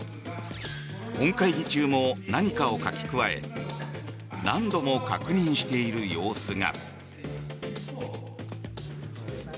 本会議中も何かを書き加え何度も確認している様子が。